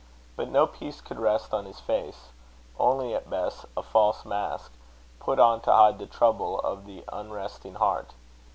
But no peace could rest on his face; only, at best, a false mask, put on to hide the trouble of the unresting heart.